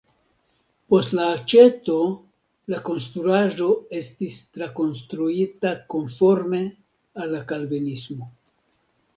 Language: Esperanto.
Post la aĉeto la konstruaĵo estis trakonstruita konforma al la kalvinismo.